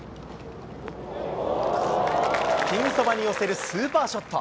ピンそばに寄せるスーパーショット。